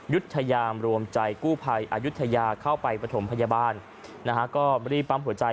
ยุธยามรวมใจกู้ภัยอายุทยาเข้าไปประถมพยาบาลนะฮะก็รีบปั๊มหัวใจ